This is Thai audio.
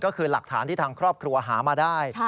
ก็คือหลักฐานที่ทางครอบครัวหามาได้